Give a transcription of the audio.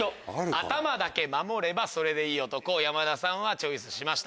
「頭だけ守れればそれでいい男」を山田さんはチョイスしました。